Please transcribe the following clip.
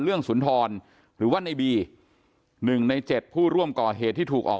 สุนทรหรือว่าในบี๑ใน๗ผู้ร่วมก่อเหตุที่ถูกออก